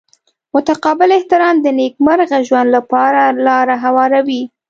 متقابل احترام د نیکمرغه ژوند لپاره لاره هواروي.